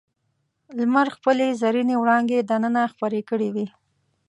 لمر خپلې زرینې وړانګې دننه خپرې کړې وې.